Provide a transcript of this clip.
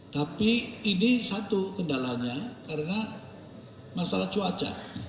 tapi ini satu kendalanya karena masalah cuaca